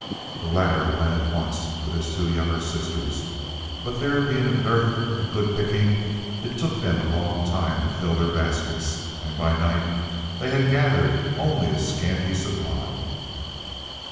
The latter went at once with his two younger sisters, but there being a dearth of good picking, it took them a long time to fill their baskets, and by night they had gathered only a scanty supply.